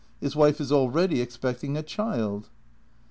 His wife is already expecting a child."